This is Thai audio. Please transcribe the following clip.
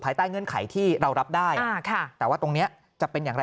ใต้เงื่อนไขที่เรารับได้แต่ว่าตรงนี้จะเป็นอย่างไร